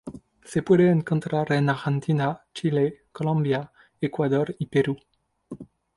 Se puede encontrar en Argentina, Chile, Colombia, Ecuador, y Perú.